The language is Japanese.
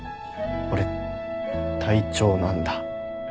俺隊長なんだ。